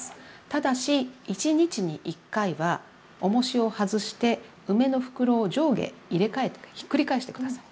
ただし１日に１回はおもしを外して梅の袋を上下入れ替えてひっくり返して下さい。